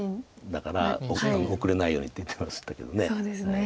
だから後れないようにって言ってましたけど。